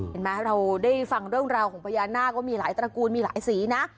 เห็นไหมเราได้ฟังเรื่องราวของพญานาคว่ามีหลายตระกูลมีหลายสีนะ